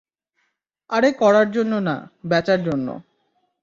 আরে করার জন্য না, বেচার জন্য।